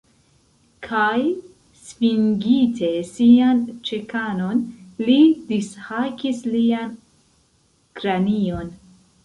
Kaj, svinginte sian ĉekanon, li dishakis lian kranion.